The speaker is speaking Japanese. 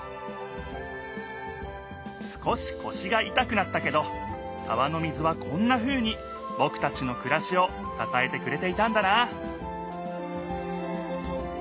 少しこしがいたくなったけど川の水はこんなふうにぼくたちのくらしをささえてくれていたんだな